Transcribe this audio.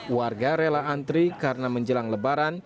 warga rela antri karena menjelang lebaran